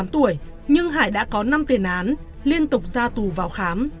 ba mươi tám tuổi nhưng hải đã có năm tiền án liên tục ra tù vào khám